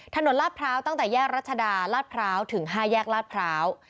ถนนราชพร้าวตั้งแต่แยกรัชดาราชพร้าวถึงห้าแยกราชพร้าว